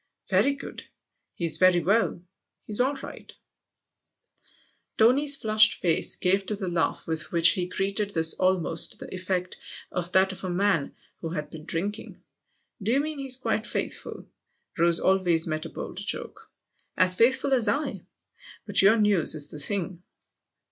"Very good. He's very well ; he's all right." THE OTHER HOUSE 47 Tony's flushed face gave to the laugh with which he greeted this almost the effect of that of a man who had been drinking. " Do you mean he's quite faithful ?" Rose always met a bold joke. " As faithful as I ! But your news is the thing."